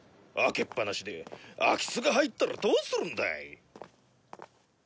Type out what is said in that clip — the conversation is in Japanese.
開けっ放しで空き巣が入ったらどうするんだい。